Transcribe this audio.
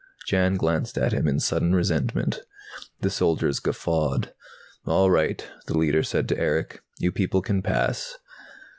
Jan glanced at him in sullen resentment. The soldiers guffawed. "All right," the leader said to Erick. "You people can pass."